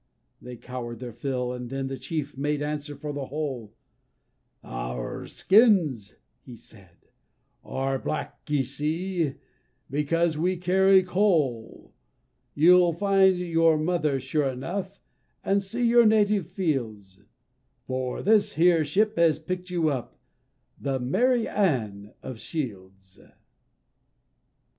They crow'd their fill, and then the Chief made answer for the whole; "Our skins," said he, "are black, ye see, because we carry coal; You'll find your mother sure enough, and see your native fields For this here ship has pick'd you up the Mary Ann of Shields!"